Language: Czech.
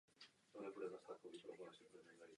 Od této chvíle kontrolovali i aktivity prostých občanů.